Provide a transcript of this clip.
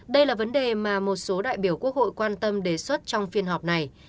đây là vấn đề mà một số đại biểu quốc hội quan tâm đề xuất trong phiên họp này